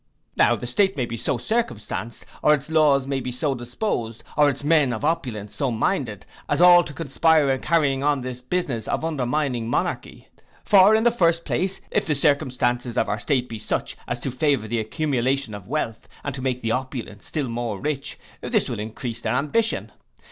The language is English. Now, the state may be so circumstanced, or its laws may be so disposed, or its men of opulence so minded, as all to conspire in carrying on this business of undermining monarchy. For, in the first place, if the circumstances of our state be such, as to favour the accumulation of wealth, and make the opulent still more rich, this will encrease their ambition.